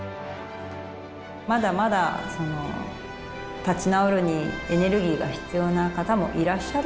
まだまだ立ち直るにエネルギーが必要な方もいらっしゃる。